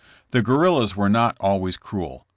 The guerrillas were not always cruel.